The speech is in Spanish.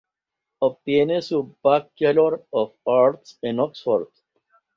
Obtiene su Bachelor of Arts en Oxford.